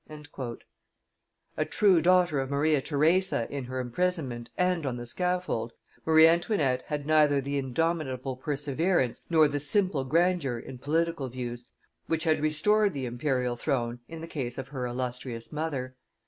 '" A true daughter of Maria Theresa in her imprisonment and on the scaffold, Marie Antoinette had neither the indomitable perseverance nor the simple grandeur in political views which had restored the imperial throne in the case of her illustrious mother.